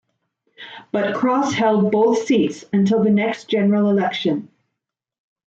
But Cross held both seats until the next general election.